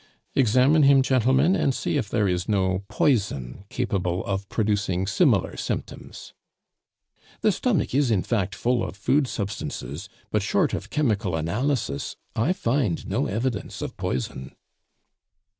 "Examine him, gentlemen, and see if there is no poison capable of producing similar symptoms." "The stomach is, in fact, full of food substances; but short of chemical analysis, I find no evidence of poison.